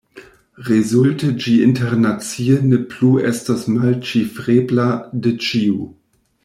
Rezulte ĝi internacie ne plu estos malĉifrebla de ĉiu.